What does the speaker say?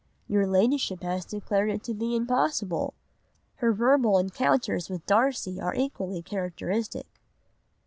"'Your Ladyship has declared it to be impossible.'" Her verbal encounters with Darcy are equally characteristic.